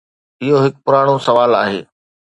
اهو هڪ پراڻو سوال آهي.